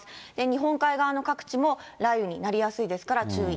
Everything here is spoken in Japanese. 日本海側の各地も雷雨になりやすいですから、注意。